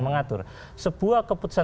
mengatur sebuah keputusan